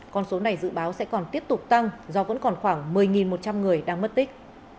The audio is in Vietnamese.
con số này dự báo sẽ còn tiếp tục tăng do vẫn còn khoảng một mươi một trăm linh người đang mất tích